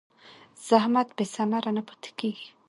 زحمت بېثمره نه پاتې کېږي.